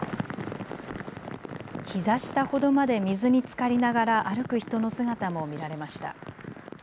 ひざ下ほどまで水につかりながら歩く人の姿も見られました。